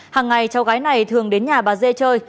hàng ngày cháu gái này thường đến nhà bà dê chơi